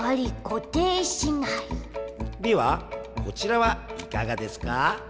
ではこちらはいかがですか？